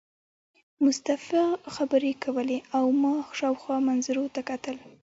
مصطفی خبرې کولې او ما شاوخوا منظرو ته کتل.